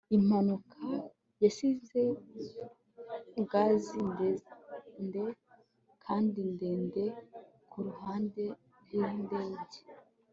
impanuka yasize gazi ndende kandi ndende kuruhande rwindege